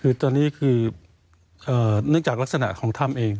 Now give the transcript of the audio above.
คือตอนนี้คือเนื่องจากลักษณะของถ้ำเอง